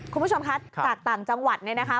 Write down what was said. คุณผู้ชมคะจากต่างจังหวัดเนี่ยนะคะ